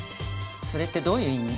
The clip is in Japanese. それってどういう意味？